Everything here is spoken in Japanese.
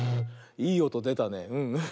いいおとでたね。